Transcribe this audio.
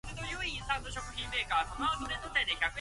黒板が好きです